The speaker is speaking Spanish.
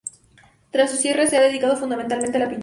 Tras su cierre, se ha dedicado fundamentalmente a la pintura.